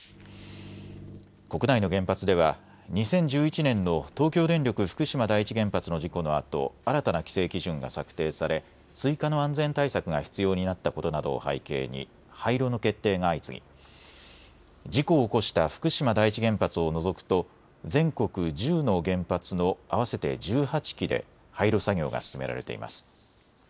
国内の原発では２０１１年の東京電力福島第一原発の事故のあと新たな規制基準が策定され追加の安全対策が必要になったことなどを背景に廃炉の決定が相次ぎ事故を起こした福島第一原発を除くと全国１０の原発の合わせて１８基で廃炉作業が進められています。